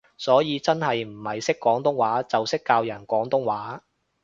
所以真係唔係識廣東話就識教人廣東話